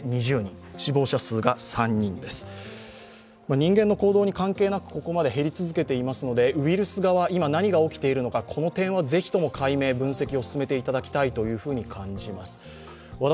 人間の行動に関係なくここまで減り続けていますのでウイルス側、今何が起きているのかこの点はぜひとも解明・分析を進めていただきたいと感じます。